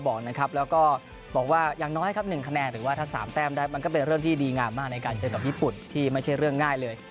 บอกนะครับแล้วก็บอกว่าอย่างน้อยครับ๑คะแนนหรือว่าถ้า๓แต้มได้มันก็เป็นเรื่องที่ดีงามมากในการเจอกับญี่ปุ่นที่ไม่ใช่เรื่องง่ายเลย